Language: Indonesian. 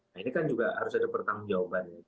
nah ini kan juga harus ada pertanggungjawabannya